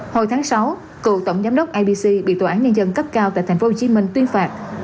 hồi tháng sáu cựu tổng giám đốc ibc bị tòa án nhân dân cấp cao tại tp hcm tuyên phạt